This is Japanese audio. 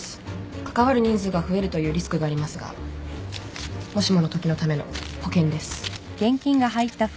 関わる人数が増えるというリスクがありますがもしものときのための保険です